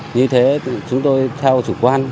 như thế chúng tôi theo chủ quan